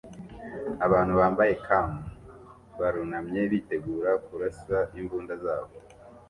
Abantu bambaye camo barunamye bitegura kurasa imbunda zabo